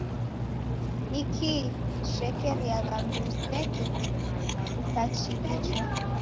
Nikii chishekeriagha mndu useke ukachighichwa?